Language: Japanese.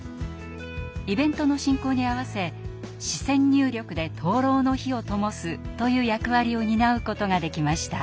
イベントの進行に合わせ視線入力で灯籠の火をともすという役割を担うことができました。